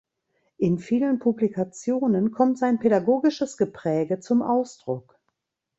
In vielen Publikationen kommt sein pädagogisches Gepräge zum Ausdruck.